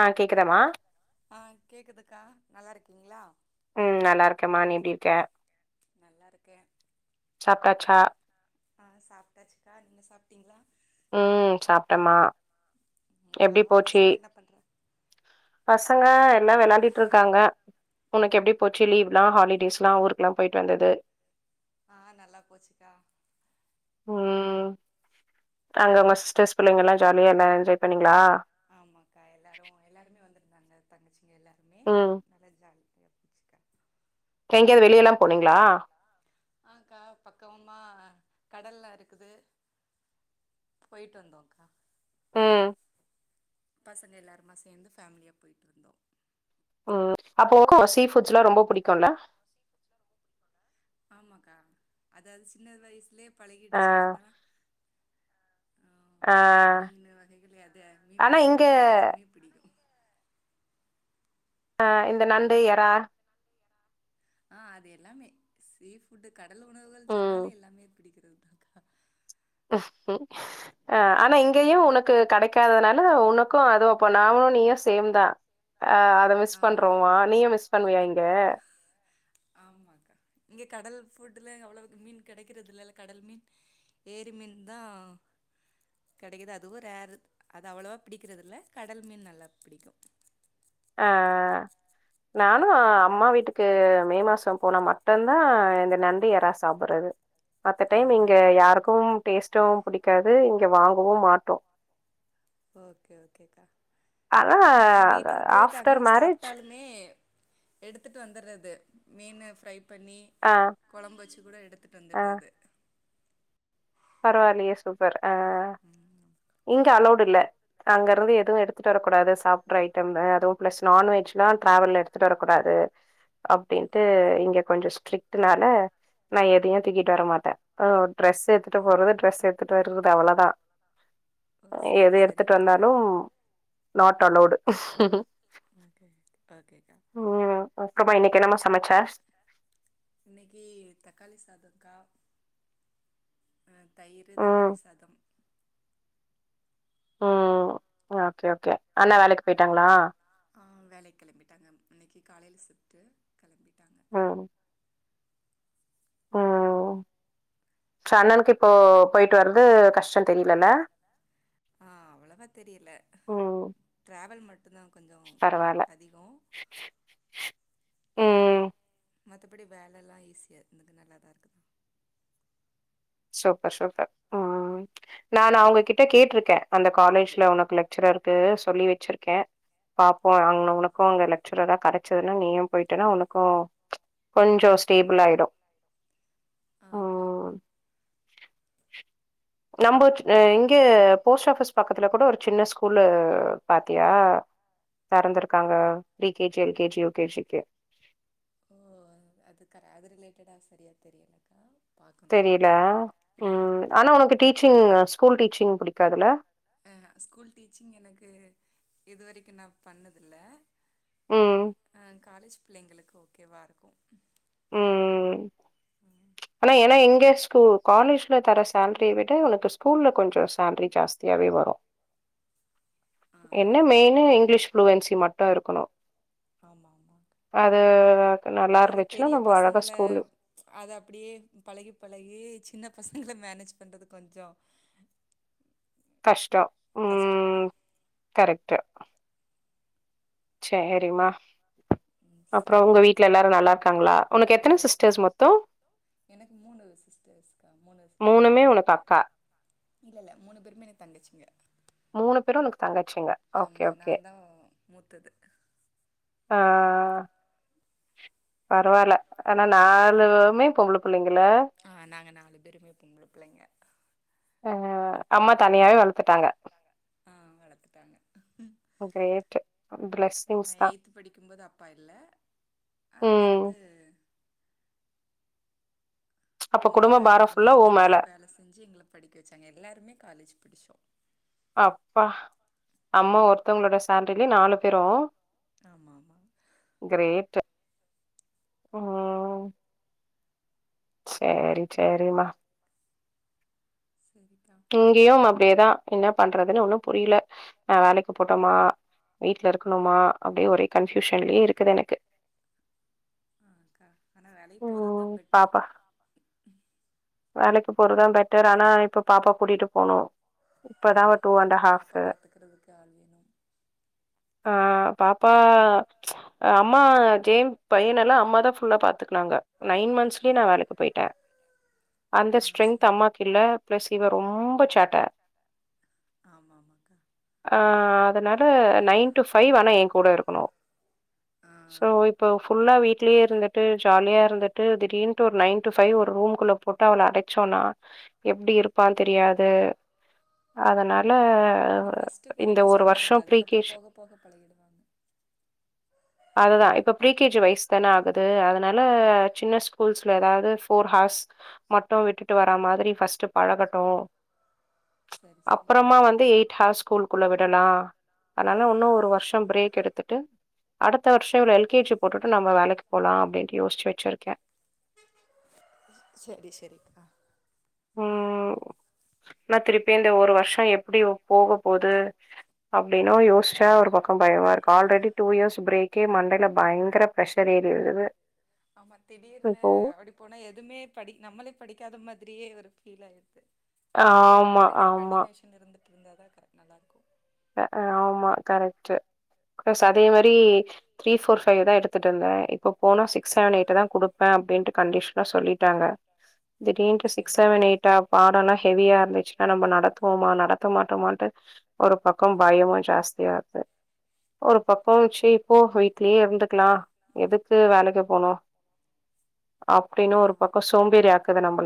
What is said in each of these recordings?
ஆ கேக்குதாமா ஆ கேக்குதுக்கா நல்லா இருக்கீங்களா உம் நல்லா இருக்கேம்மா நீ எப்டி இருக்கே நல்லா இருக்கே சப்ட்டாச்சா ஆர் சாப்ட்டாச்சுக்கா நீங்க சாப்ட்டீங்களா உம் சாப்ட்டமா ஆ பசங்க என்ன பண்ற பசங்க எல்லா வெளாடிட்டு இருக்காங்க உனக்கு எப்டி போச்சு லீவ்லா ஹாலிடேஸ்லா ஊருக்குல்லா போயிட்டு வந்தது ஆ நல்லா போச்சுக்கா அங்க உங்க சிஸ்டர்ஸ் பிள்ளைங்க எல்லாம் ஜாலியா இல்ல என்ஜாய் பண்ணீங்களா ஆமாக்கா எல்லாரும் எல்லாருமே வந்து ங்க தங்கிச்சு இங்க எல்லாருமே நல்ல ஜால எங்க வெளியா லா போனீங்களா ஆ க்கா பக்கமா கடல்லா இருக்குது போயிட்டு வந்தோங்கா உம் பசங்க எல்லாருமா சேர்ந்து ஃபேமிலியா போயிட்டு வந்தோம் உம் அப்போ சீஃபுட்ஸ் எல்லா ரொம்ப புடிக்கும்ல ஆமாக்கா அதாவது சின்ன வயசுலே பழகிடிச்சி இல்லக்கா ஆ மீனு வகைகள் அது மீன் ரிலேட்டடா எல்லாமே பிடிக்கு ஆ இந்த நண்டு எறா ஆ அது எல்லாமே சீ ஃபுட்டு கடல் உணவுகள் சொன்னாலே எல்லாமே பிடிக்கிறது தாக்கா அ ஆனா இங்கயு உனக்கு கெடைக்காதத்னால உனக்கு அது அப்போ நாமு நீயு சேம்தா ஆ அத மிஸ் பண்றோமா நீயு மிஸ் பண்ணுவியா இங்க கடல் ஃபுட்டுல அவ்ளோக்கு மீன் கெடைக்கறதுல்லல்ல கடல் மீன் ஏரி மீன் தா கெடைக்குது அதுவு ரேரு அது அவ்ளோவா பிடிக்கிறதுல்ல கடல் மீன் நல்லா பிடிக்கு ஆ நானு அம்மா வீட்டுக்கு மே மாசோ போனா மட்டுதா இந்த நண்டு யறா சாப்பறது மத்த டைம் இங்க யாருக்கும் டேஸ்ட்டும் புடிகாது இங்க வாங்கவுமாட்டோ ஓகே ஓகேக்கா எனா வீட்டுக்கு போயிட்டு அங்க சாப்டாலுமே எடுத்துட்டு வந்தறது மீனு ஃப்ரை பண்ணி கொழம்பு வச்சு கூட எடுத்துட்டு வந்துடுறது பரவா இல்லையே சூப்பர் ஆஹ் இங்க அலோடு இல்ல அங்க இருந்து எதுவு எடுத்துட்டு வரக்கூடாது சாப்ட்ற ஐட்டம்மு அதுவு பிளஸ் நான்வெஜ்லா ட்ராவல்ல எடுத்துட்டு வரக்கூடாது அப்டின்ட்டு இங்க கொஞ்சோ ஸ்ட்ரிட் ட்னால நா எதையு தூக்கிட்டு வர மாட்ட ஆ ட்ரெஸ் எ ட்டு போறது ட்ரெஸ் எடுத்துட்டு வரது அவ்ளோதா எது எடுத்துட்டு வந்தாலும் நாட் அலோடு ஓகே ஓகேக்கா சமச்சார்ஸ் இன்னைக்கு தக்காளி சாதோக்கா ம் தயிரு தக்காளி சாதம் ம் ஓகே ஓகே அண்ணா வேலைக்கு போயிட்டாங்ளா காலைல சிப்ட்டு கெளம்பிட்டே ம் ம் சண்ணனுக்கு இப்போ போயிட்டு வர்றது கஷ்ட தெரிய்லல ஆ அவ்ளவா தெரில டிராவல் ம க்குதா கொஞ்ச அதிகோ மத்தபடி வேலலா ஈஸியாருந்துக்கு நல்லாதா இருக்குது சூப்பர் சூப்பர் ம் நானு அவ்ங்ககிட்ட கேட்ருக்கே அந்த காலேஜ்ல ஒனக்கு லெக்சரருக்கு சொல்லி வச்சிருக்கே பாப்போ அங்ன உனக்கு அங்க லெக்சரரா கெடச்சதுனா நீயு போய்ட்டனா உனக்கு கொஞ்சோ ஸ்டேபிள் ஆயிடு உம் நம்போச் இங்க போஸ்ட் ஆஃபிஸ் பக்கத்துல கூட ஒரு சின்ன ஸ்கூல்லு பாத்தியா தெறந்திருக்காங்க pre K G L K G U K ஜிக்கு ஓ அதுக்க அது ரிலேட்டடா செரியா தெரியலக்கா தெரியல உம் ஆனா உனக் டீச்சிங் ஸ்கூல் டீச்சிங் பிடிக் காதுல அஹ் ஸ்கூல் டீச்சிங் எனக்கு இதுவரைக்கு நா பண்ணதில்ல ஆஹ் காலேஜ் பிள்ளைங்களுக்கு ஓகேவா இருக்கு உம் ஆனா எனா எங்க ஸ்கூல் காலேஜ்ல தர சேலரிய விட உனக்கு ஸ்கூல்ல கொஞ்சோ சேலரி ஜாஸ்தியாவே வரு என்ன மெயினு இங் கிலீஷ் ஃப்ளுவென்சி மட்டு இருக்கணு அது கு நல்லா இருந்து பெரிய பசங்கள அத அப்டியே பழகி பழகி சின்ன பசங்கள மேனேஜ் பண்றது கொஞ்சோ கஷ்டோ உம் கரெக்டு சேரிம்மா உம் சேரிக்கா எனக் எனக்கு மூணு சிஸ்டர்ஸ்கா மூணு இல்ல இல்ல மூணு பேருமே எனக்கு தங்கச்சிங்க மூணு பேரு உனக்கு தங்க ஆமா நா தா மூத்தது ஆஹ் பரவால ஆனா நாலுமே பொம்பளப் ஆஹ் நாங்க நாலு பேருமே பொம்பள பிள்ளைங்க ஆஹ் அம்மா தனியாவே வளத்துட்டாங்க நா எயித் படிக்கும்போது அப்பா இல்ல அதுல இருந்து அம்மா தா எல்லாமே தனியா வேல செஞ்சி எங்கள படிக்க வெச்சாங்க எல்லாருமே காலேஜ் படிச்சோ அப்பாஹ் அம்மா ஒருத்தவங்களோட சால் ரில நாலு பேரு கிரேட் உம் சேரி ச்சேரிம்மா இங்கியும் அப்டியேதா என்ன பண்றதுன்னு ஒண்ணு புரில நா வேலைக்கு போட்டோமா வீட்ல இருக்கணுமா அப்படியே ஒரே கன்ஃப்யூஷன்லயே இருக்குது எனக்கு ஹாங்கா ஆனா வேலைக் போறதுதா பெட்டர் போரதா பெட்டர் ஆன இப்போ பாப்பா கூட்டிட்டு போனு இப்பதான் டூ அண்டு ஹாஃபு அ பாப்பா அம் அம்மா ஜேம் பையனெல்லா அம்மா தா ஃபுல்லா பாத்துக்குனாங்க நைன் மந்த்ஸ்லயே நா வேலைக்கு போயிட்டே அந்த ஸ்ட்ரென்த் அம்மாக்கில்ல ரொம்ப சேட்ட ஆஹ் அதனால நைன் டு ஃபை வேனா என் கூட இருக்கணு சோ இப்போ ஃபுள்ளா வீட்லயே இருந்துட்டு ஜாலியா இருந்துட்டு தீடீர்ன்ட்டு ஒரு நயன் டு பை ஒரு ரூம்குள்ள போட்டு அவன அடச்சோனா எப்டி இருப்பான் தெரியாது அதனா ஆனா ஃபர்ஸ்ட்டு கொஞ்சொ கஷ்டமா இருக்கு அதுக்கப்பறோ போக போக பழகிடுவாங்க அதுதா இப்ப ப்ரீகேஜ் வைஸ் தான ஆகுது அதனால சின்ன ஸ்கூல்ஸ்ல எதாவது ஃபோர் ஹார்ஸ் மட்டு விட்டுட்டு வரா மாதிரி ஃபஸ் ட்டு ப‌ழகட்டும் அப்றமா வந்து எயிட் ஹார்ஸ் ஸ்கூல் குள்ள விடலாம் அனால ஒன்னும் ஒரு வர்ஷம் பிரேக் எடுத்துட்டு அடுத்த வர்ஷோ ஒரு எல்கேஜி போட்டுட்டு நம்ம வேலைக்கு போலா அப்டின்ட்டு யோசிச்சு வச்சிருக்கேன் செரி செரிக்கா ம் நா திருப்பி இந்த ஒரு வர்ஷோ எப்டி ஒ போக போது அப்டினு யோசிச்சா ஒரு பக்கம் பயமா இருக்கு ஆல்ரெடி டூ இயர்ஸ் பிரேக்கே மண்டைல பயங்கர பிர்ரெஷர் ஏறிறுது ஆமா திடீர்னு அப்டி போனா எதுமே படி நம்மளே படிக்காத மாத் திரியே ஒரு ஃபீல் ஆயிர்து ஆமா ஆமா இருந்தா தா கரெக்ட் நல்லார்க்கு அ ஆமா கரெக்ட்டு ப்ளஸ் அதே மாரி த்ரீ ஃபோர் ஃபை தா எடுத்துட்டிருந்த இப்ப போனா சிக்ஸ் செவன் எயிட்டு தா குடுப்பேன் அப்டின்ட்டு கண்டிஷனா சொல்லிட்டாங்க திடீன்ட்டு சிக்ஸ் செவன் எயிட்டா பாடோல்லா ஹெவியா இருந்துச்சுன்னா நம்ம நடத்துவோமா நடத்த மாட்டோமான்ட்டு ஒரு பக் க்கம் பயமு ஜாஸ்தியா வருது ஒரு பக்கம் ச்சீ போ வீட்லயே இருந்துக்கலா எதுக்கு வேலைக்கு போனு அப்டின்னு ஒரு பக்கம் சோம்பேறி ஆக்குது நம்மல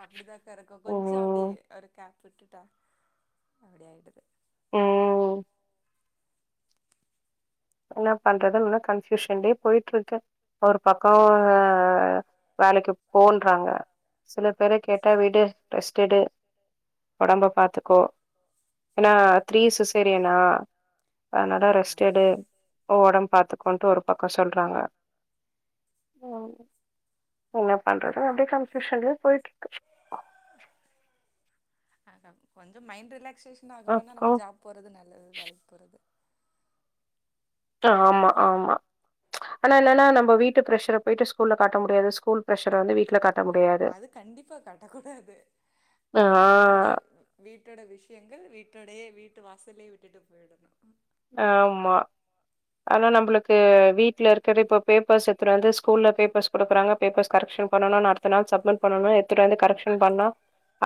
அப்படிதாக்கா இருக்கும் கொஞ்சோ அப்டி ஒரு கே விட்டுட்டா அப்டி ஆயிடுது உம் என்ன பண்றது இன்னும் கன்ஃப்யூஷன்லயே போயிட்ருக்கு ஒரு பக்கோ அஹ் வேலைக்கு போன்றாங்க சிலப் பேர கேட்டா விடு ரெஸ்ட் எடு ஒடம்ப பாத்துக்கோ ஏன்னா த்ரீ சிசேரியனா அனால ரெஸ்ட் எடு ஓ ஒடம் பாத்துக்கோன்ட்டு ஒரு பக்கோ சொல்றாங்க ம் என்ன பண்றது அப்டி கன்ஃப்யூஷன்லயே போயிட்ருக்கு ஆஹ கொஞ்சோ மைண்ட் ரிலாக் ஸ்னஸுன்னா ஆகனுனா நம்ம ஜாப் போறது நல்லது வேலைக்கு போறது டு ஆமா ஆமா ஆனா என்னனா நம்ப வீட்டு ஃபிரஷர போயிட்டு ஸ்கூல்ல காட்ட முடியாது ஸ்கூல் ஃபிரஷர வந்து வீட்டுல கா அது கண்டிப்பா காட்டக்கூடாது அது நம்மளோட வீட்டோட விஷயங்கள் வீ வீட்டோடயே வீட்டு வாசலயே விட்டுட்டு போயிடணு ஆமா ஆனா நம்மளுக்கு வீட்ல இருக்கற இப்போ பேப்பர்ஸ் எத்துற வந்து ஸ்கூல்ல பேப்பர்ஸ் குடுக்குறாங்க பேப்பர்ஸ் கரெக்ஷன் பண்ணனு அடுத்த நாள் சப்மிட் பண்ணனும் எத்துனு வந்து கரெக்ஷன் பண்ணா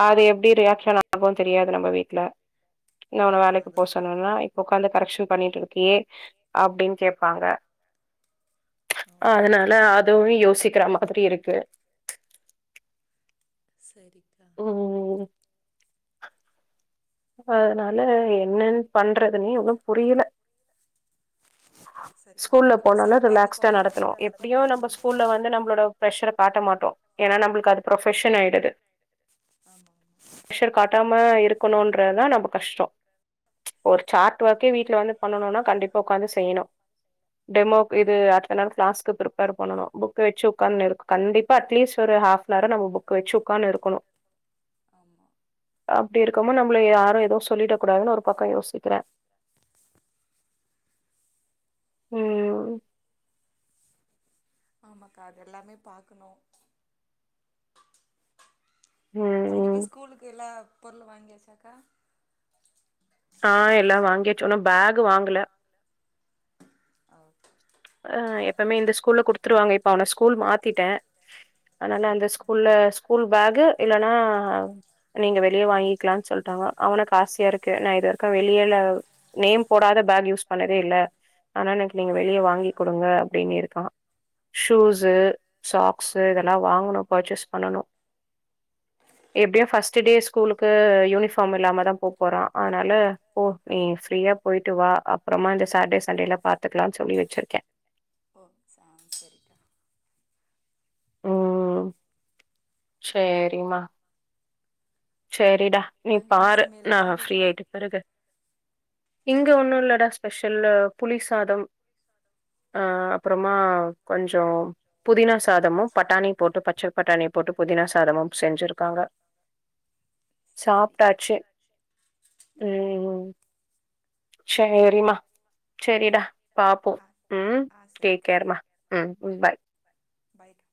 அது எப்டி ரியாக்ஷன் ஆகுன் தெரியாது நம்ப வீட்ல நா உன வேலைக்கு போக சொன்னனா இப்போ உக்காந்து ட்டு பண்ணிட்டுருக்கியே அப்டின் கேப்பாங்க அதனால அதுவு யோசிக்கிற மாதிரி இருக்கு சரி ஓ அதனால என்னன் பண்றதுன்னே ஒன்னு புரியல ஸ்கூல்ல போனாலு ரிலாக்ஸ்டா நடத்தணு எப்படியு நம்ம ஸ்கூல்ல வந்து நம்மளோட ஃபிரஷர காட்ட மாட்டோ ஏனா நம்மளுக்கு அது ஃப்ரொஃபஷன் ஆயிடுது ஃப்ரஷர் காட்டாம இரு கனுன் றதா நம்ப கஷ்டொ ஒரு சார்ட் ஒர்க்கே வீட்டுல வந்து பண்ணனுனா கண்டிப்பா உக்காந்து செய்யணு டெமோக்கு இது அடுத்த நாள் கிளாஸ்க்கு ஃப்ரிஃப்பர் பண்ணணு புக் வச்சு உக்கார்னுருக்கு கண்டிப் பா அட்லீஸ்ட் ஒரு ஹால்ப் நவரா நம்ம புக் வச்சு உக்கானு இருக்கனு அப்படி இருக்கமோ நம் ம்ப்ல யாரு எதுவு சொல்லிட கூடாதுன்னு ஒரு பக்கம் யோசிக்கிறே ஹ்ம் ஆமாக்கா அது எல்லாமே பாக்கணு தம்பிக்கு ஸ்கூலுக்கு எல்லா பொருள் வாங்கியாச்சாக்கா ஆஹ் எல்லா வாங்கியச்சு ன்னு பேக் வாங்கல ஓகே அஹ் எப்பமே இந்த ஸ்கூல்ல குடுத்துடுவாங்க இப்ப அவன ஸ்கூல் மாத்திட்டே அதனால அந்த ஸ்கூல்ல ஸ்கூல் பேக்கு இல்லன்னா நீங்க வெளியே வாங்கி க்கலானு சொல்ட்டாங்க அவனுக் ஆசையா இருக்கு நா இது வரைக்கு வெளியல நேம் போடாத பேக் யூஸ் பண்ணதே இல்ல ஆனா என நீங்க வெளியே வாங்கி ங்க அப்படினு இருக்கா ஷூஸ் சாக்ஸ் இதெல்லா வாங்கணு பர்ச்சேஸ் பண்ணணு எப்டியு ஃபர்ஸ்ட் டே ஸ்கூலுக்கு யூனிஃபார்ம் இல்லாமதா போ போறான் அதனால போ நீ ஃப்ரியா போயிட்டு வா அப்புறமா இந்த ஷேட் டே சன்டைல பாத்துக்கலான் சொல்லி வச்சுருக்கே ஓ ச சரிக்கா உம் சேரிங்மா சேரிடா நீ பாரு நா ஃப்ரீ ஆயிட்ட பிறகு இங்க ஒன்னு இல்லடா ஸ்பெஷல். புலி சாதம் அஹ் அப்புறமா கொஞ்சோ புதினா சாதமும் பட்டாணி போட்டு பச்சை பட்டாணி போட்டு புதினா சாதமும் செஞ்சிருக்காங்க. சாப்டாச்சு உம். உம் ச்சேரிம்மா செரிடா. பாப்போம் உம் டேக் கேர்மா உம் பாய். பாய் கா.